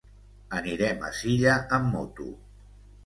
Anirem a Silla amb moto.